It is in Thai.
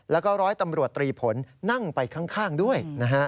แล้วก็ร้อยตำรวจตรีผลนั่งไปข้างด้วยนะฮะ